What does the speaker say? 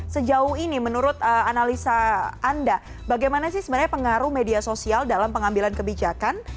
sejauh ini menurut analisa anda bagaimana sih sebenarnya pengaruh media sosial dalam pengambilan kebijakan